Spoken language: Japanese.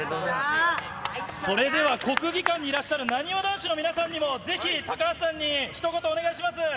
それでは、国技館にいらっしゃるなにわ男子の皆さんにも、ぜひ高橋さんにひと言、お願いします。